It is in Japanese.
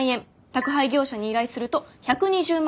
宅配業者に依頼すると１２０万円。